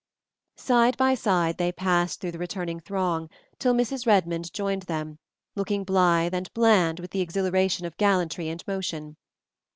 Side by side they passed through the returning throng till Mrs. Redmond joined them, looking blithe and bland with the exhilaration of gallantry and motion.